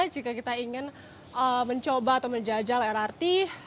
jika kita ingin mencoba atau menjajal lrt